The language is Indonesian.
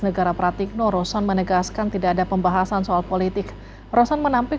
negara pratikno roshan menegaskan tidak ada pembahasan soal politik roshan menampil